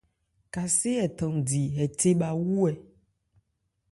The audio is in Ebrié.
Kasé ɛ thándi hɛ the bha wú hɛ.